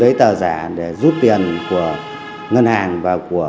hãy đăng ký kênh để nhận thông tin nhất